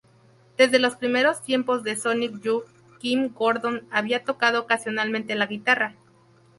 Desde los primeros tiempos de Sonic Youth, Kim Gordon había tocado ocasionalmente la guitarra.